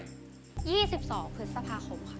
๒๒พฤษภาคมค่ะ